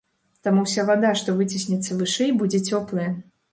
Таму ўся вада, што выціснецца вышэй, будзе цёплая.